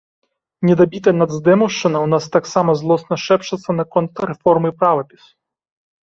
Недабітая нацдэмаўшчына ў нас таксама злосна шэпчацца наконт рэформы правапісу.